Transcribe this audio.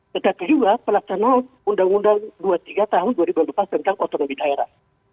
tetapi juga pelaksanaan undang undang dua puluh tiga tahun dua ribu dua belas tentang otonomi daerah